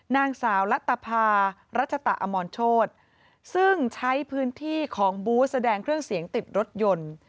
นางสาวลัตภารัชตะอมรโชธซึ่งใช้พื้นที่ของบูธแสดงเครื่องเสียงติดรถยนต์